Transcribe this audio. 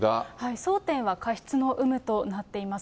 争点は過失の有無となっています。